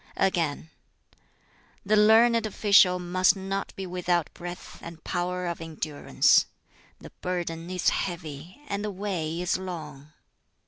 Again: "The learned official must not be without breadth and power of endurance: the burden is heavy, and the way is long.